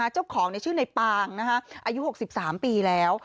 เจ้าของชื่อในปางอายุ๖๓ปีแล้ว